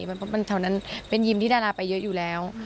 มันเฉาะนั้นเป็นยิมที่ดาราไปเยอะอยู่แล้ว